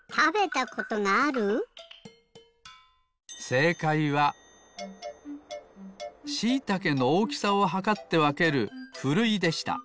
せいかいはしいたけのおおきさをはかってわけるふるいでした。